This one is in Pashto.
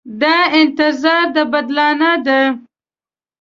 دا انتظار د بدلانه دی.